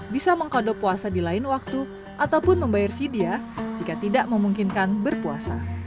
bisa mengkodok puasa di lain waktu ataupun membayar vidya jika tidak memungkinkan berpuasa